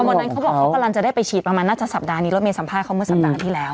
เข้าบอกว่าเขากำลังจะได้ไปฉีดประมาณหน้าแต่สัปดาห์นี้เรามีสัมภาษณ์เด้อสัปดาห์ที่แล้ว